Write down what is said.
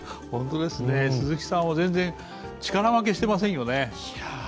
鈴木さんも全然、力負けしていませんよね。